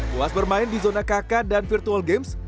puas bermain di zona kk dan virtual games